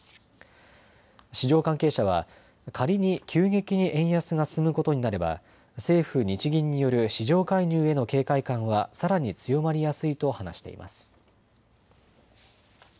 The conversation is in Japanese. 市場関係者は仮に急激に円安が進むことになれば政府・日銀による市場介入への警戒感はさらに強まりやすいと話しています。